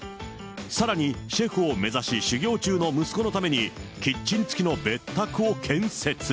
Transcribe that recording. さらにシェフを目指し修業中の息子のために、キッチン付きの別宅を建設。